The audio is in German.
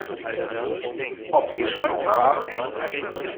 Ob sie schon Hunger haben?